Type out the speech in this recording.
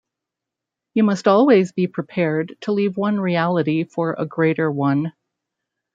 You must always be prepared to leave one reality for a greater one.